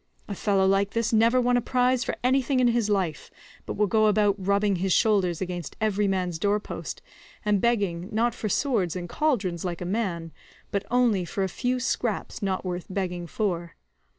A fellow like this never won a prize for anything in his life, but will go about rubbing his shoulders against every man's door post, and begging, not for swords and cauldrons144 like a man, but only for a few scraps not worth begging for.